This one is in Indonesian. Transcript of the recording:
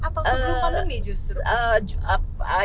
atau sebelum pandemi justru